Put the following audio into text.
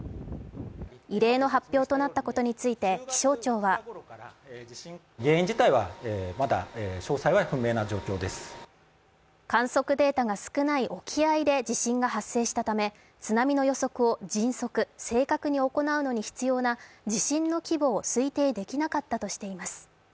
異例の発表となったことについて気象庁は観測データが少ない沖合で地震が発生したため津波の予測を迅速、正確に行うのに必要な地震の規模を推定できなかったとしています。